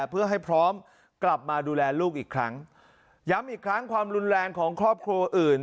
เพื่อให้พร้อมกลับมาดูแลลูกอีกครั้งย้ำอีกครั้งความรุนแรงของครอบครัวอื่น